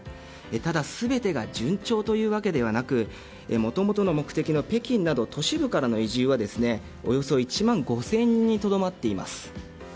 ただ、全てが順調というわけではなくもともとの目的の北京など都市部からの移住はおよそ１万５０００人にとどまっています。